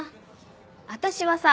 私はさ